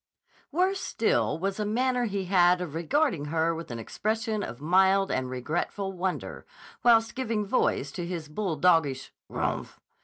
Worse still was a manner he had of regarding her with an expression of mild and regretful wonder whilst giving voice to his bulldoggish "Grmph!"